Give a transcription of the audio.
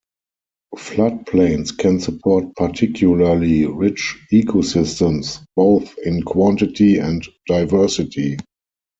Floodplains can support particularly rich ecosystems, both in quantity and diversity.